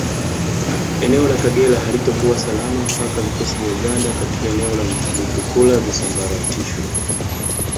Eneo la Kagera halitakuwa salama mpaka vikosi vya Uganda katika eneo la Mutukula visambaratishwe